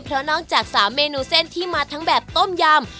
เพราะนอกจาก๓เมนูเส้นที่มาทั้งแบบต้มยำ